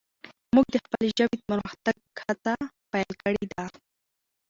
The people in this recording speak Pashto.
موږ د خپلې ژبې د پرمختګ هڅه پیل کړي ده.